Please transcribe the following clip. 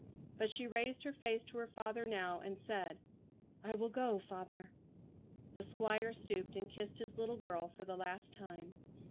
But she raised her face to her father now, and said: "I will go, father!" The Squire stooped and kissed his little girl for the last time.